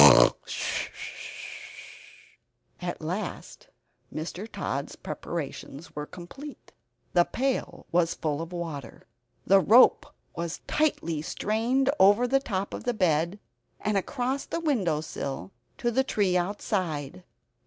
At last Mr. Tod's preparations were complete. The pail was full of water; the rope was tightly strained over the top of the bed, and across the windowsill to the tree outside.